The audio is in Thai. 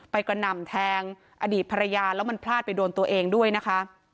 กระหน่ำแทงอดีตภรรยาแล้วมันพลาดไปโดนตัวเองด้วยนะคะ